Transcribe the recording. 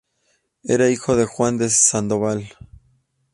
Era hijo de Juan de Sandoval.